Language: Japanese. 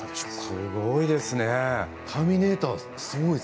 すごいですね。